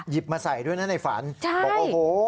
หยิบมาใส่ด้วยนะไอ้ฝันบอกว่าโอ้โฮ